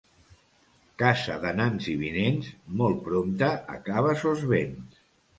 Casa d'anants i vinents, molt prompte acaba sos béns.